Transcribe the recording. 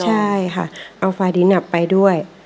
ใช่ค่ะเอาฟาดินไปด้วย